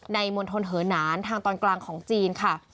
มณฑลเหอนานทางตอนกลางของจีนค่ะ